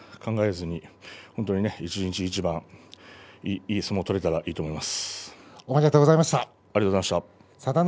全然考えずに本当に一日一番いい相撲を取れたらいいなと思います。